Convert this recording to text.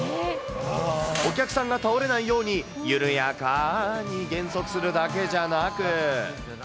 お客さんが倒れないように、緩やかーに減速するだけじゃなく。